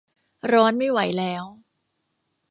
ร้อนไม่ไหวแล้ว